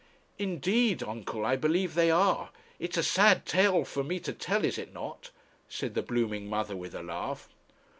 'Indeed, uncle, I believe they are. It's a sad tale for me to tell, is it not?' said the blooming mother with a laugh.